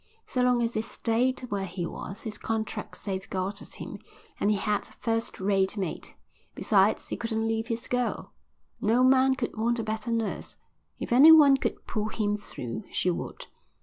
So long as he stayed where he was his contract safe guarded him, and he had a first rate mate. Besides, he couldn't leave his girl. No man could want a better nurse; if anyone could pull him through she would.